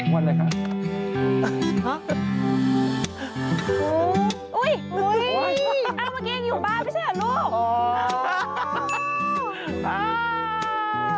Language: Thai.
เมื่อกี้ยังอยู่บ้านไม่ใช่เหรอลูก